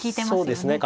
そうですね。